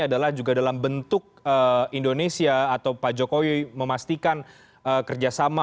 adalah juga dalam bentuk indonesia atau pak jokowi memastikan kerjasama